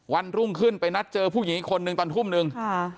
วันรุ่งขึ้นไปนัดเจอผู้หญิงอีกคนนึงตอนทุ่มนึง